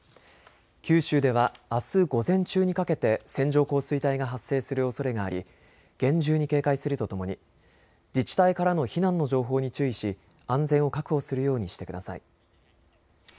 九州ではあす午前中にかけて線状降水帯が発生するおそれがあり厳重に警戒するとともに自治体からの避難の情報に注意し安全を確保するようにしてください。